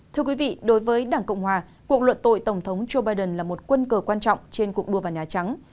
thưa quý vị đối với đảng cộng hòa cuộc luận tội tổng thống joe biden là một quân cờ quan trọng trên cuộc đua vào nhà trắng